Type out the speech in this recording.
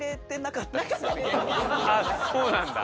あっそうなんだ。